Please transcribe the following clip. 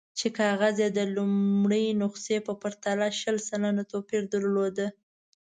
چې کاغذ یې د لومړۍ نسخې په پرتله شل سلنه توپیر درلود.